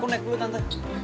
aku naik dulu tante